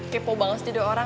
kepo banget sendiri orang